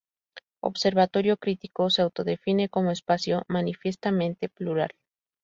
Observatorio Crítico se autodefine como espacio manifiestamente plural.